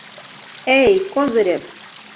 — Эй, Козырев!